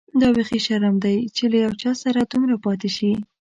دا بيخي شرم دی چي له یو چا سره دومره پاتې شې.